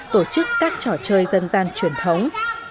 tổ chức các trò chơi dân gian truyền thống